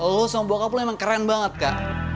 lo sama bokap lo emang keren banget kak